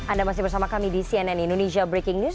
anda masih bersama kami di cnn indonesia breaking news